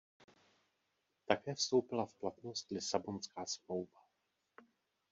Také vstoupila v platnost Lisabonská smlouva.